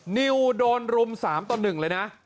นิวโดนรุม๓ต่อ๑เลยนะ